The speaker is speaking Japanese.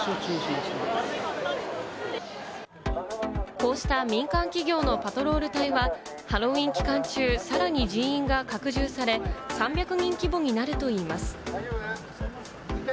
こうした民間企業のパトロール隊は、ハロウィーン期間中、さらに人員が拡充され、３００人規模になるといいます。